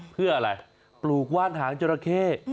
เพื่ออะไรปลูกว่านหางจราเข้